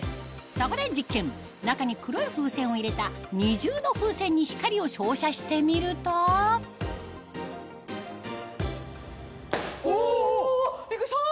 そこで実験中に黒い風船を入れた二重の風船に光を照射してみるとおビックリした！